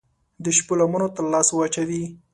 د شپو لمنو ته لاس واچوي